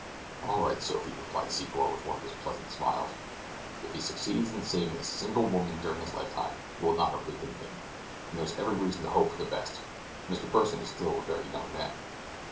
"All right, Sophie," replied Secor with one of his pleasant smiles, "if he succeeds in saving a single woman during his lifetime he will not have lived in vain, and there is every reason to hope for the best—Mr. Pursen is still a very young man."